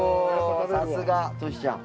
さすがとしちゃん。